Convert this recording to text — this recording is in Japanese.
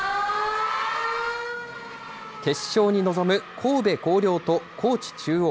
決勝に臨む神戸弘陵と高知中央。